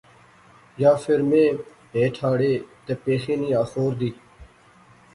یا فیر میں ہیٹھ آڑے تے پیخی نی آخور دی